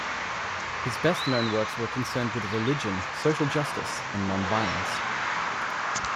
His best-known works were concerned with religion, social justice and nonviolence.